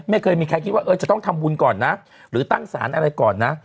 ไม่เคยมีใครคิดว่าเออจะต้องทำบุญก่อนนะหรือตั้งสารอะไรก่อนนะ